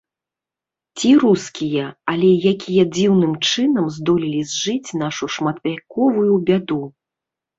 Ці рускія, але якія дзіўным чынам здолелі зжыць нашу шматвяковую бяду.